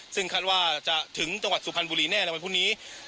ซึ่งคาดว่าจะถึงจังหวัดสุพรรณบุรีแน่ในวันพรุ่งนี้